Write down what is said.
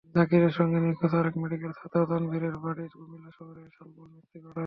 জাকিরের সঙ্গে নিখোঁজ আরেক মেডিকেল ছাত্র তানভিরের বাড়ি রংপুর শহরের শালবন মিস্ত্রিপাড়ায়।